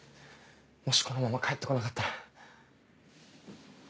もしこのまま帰って来なかったら。